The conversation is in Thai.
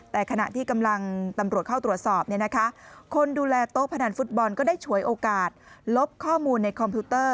แต่ขณะที่กำลังตำรวจเข้าตรวจสอบคนดูแลโต๊ะพนันฟุตบอลก็ได้ฉวยโอกาสลบข้อมูลในคอมพิวเตอร์